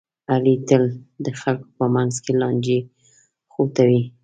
علي تل د خلکو په منځ کې لانجې خوټوي.